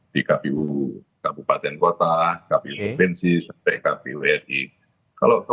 di kpu kabupaten kota kpu provinsi sampai kpu ri